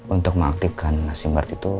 untuk mengaktifkan sim card itu